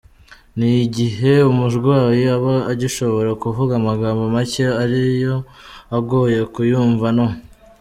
ni igihe umurwayi aba agishobora kuvuga amagambo make ario agoye kuyumva no